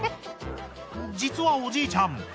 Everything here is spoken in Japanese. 実はおじいちゃん